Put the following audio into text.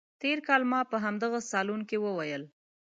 تېر کال ما په همدغه صالون کې وویل.